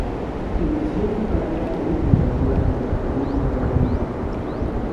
Inició su carrera política durante la Segunda Guerra Mundial.